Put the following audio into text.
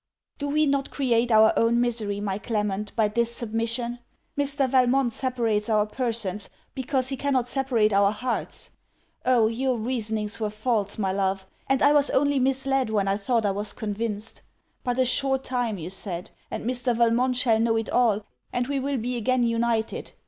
Do we not create our own misery, my Clement, by this submission? Mr. Valmont separates our persons, because he cannot separate our hearts. Oh! your reasonings were false, my love; and I was only misled when I thought I was convinced! 'But a short time,' you said, 'and Mr. Valmont shall know it all, and we will be again united.'